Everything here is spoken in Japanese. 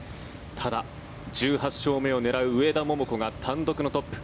ただ、１８勝目を狙う上田桃子が単独のトップ。